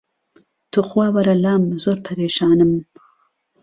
توخوا وەرە لام زۆر پەرێشانم